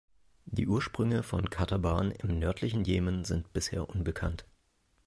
Die Ursprünge von Qataban im nördlichen Jemen sind bisher unbekannt.